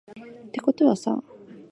てことはさ